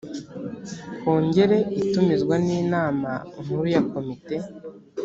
kongere itumizwa n’inama nkuru ya komite